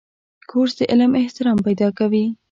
کورس د علم احترام پیدا کوي.